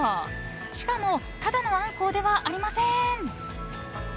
しかもただのアンコウではありません。